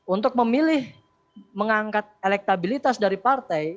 untuk memilih mengangkat elektabilitas dari partai